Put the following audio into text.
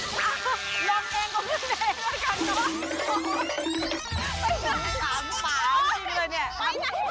๓ฟางจริงเลยเนี่ย